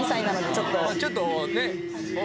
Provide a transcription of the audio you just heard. ちょっとね。